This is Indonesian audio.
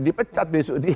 dipecat besok dia